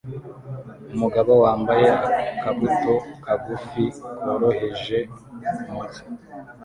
Umugabo wambaye akabuto kagufi koroheje munsi